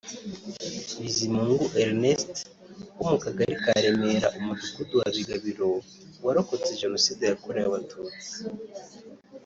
Bizimungu Erneste wo mu Kagari ka Remera umudugudu wa Bigabiro warokotse Jenoside yakorewe Abatutsi